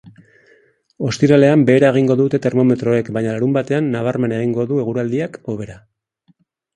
Ostiralean behera egingo dute termometroek baina larunbatean nabarmen egingo du eguraldiak hobera.